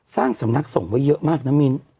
สร้างสำนักส่งไว้เยอะมากนะมิ้น